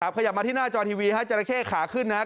ขยับมาที่หน้าจอทีวีฮะจราเข้ขาขึ้นนะครับ